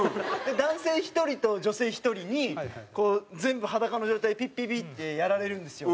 男性１人と女性１人にこう全部裸の状態でピッピッピッてやられるんですよ。